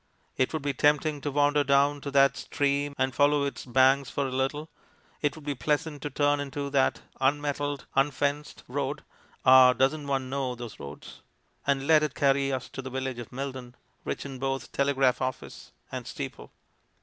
It would be tempting to wander down to that stream and follow its banks for a little; it would be pleasant to turn into that "unmetalled, unfenced" road ah, doesn't one know those roads? and let it carry us to the village of Milden, rich in both telegraph office and steeple.